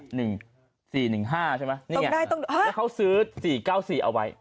หนึ่งสี่หนึ่งห้าใช่ไหมนี่ไงต้องได้ต้องฮะแล้วเขาซื้อสี่เก้าสี่เอาไว้